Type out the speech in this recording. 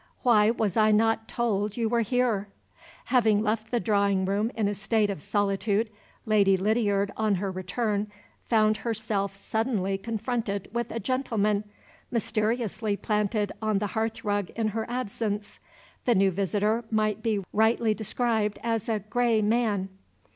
Why was I not told you were here?" Having left the drawing room in a state of solitude, Lady Lydiard on her return found herself suddenly confronted with a gentleman, mysteriously planted on the hearth rug in her absence. The new visitor may be rightly described as a gray man.